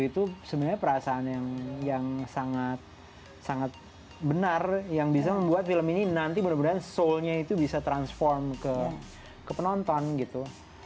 itu sebenarnya perasaan yang sangat benar yang bisa membuat film ini nanti benar benar soulnya itu bisa transform ke penonton gitu